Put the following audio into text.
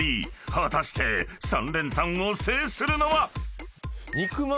［果たして３連単を制するのは⁉］